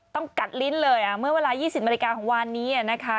ต้องกัดลิ้นเลยเมื่อเวลา๒๐นาฬิกาของวานนี้นะคะ